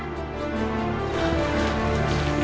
udah mukanya biasa aja